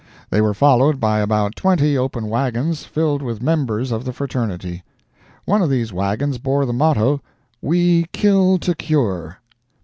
They were followed by about twenty open wagons, filled with members of the fraternity. One of these wagons bore the motto, "We Kill to Cure!"